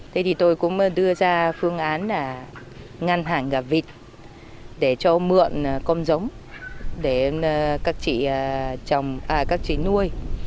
thế thì tôi cũng đưa ra phương án là ngăn hàng gặp vịt để cho mượn con giống để các chị nuôi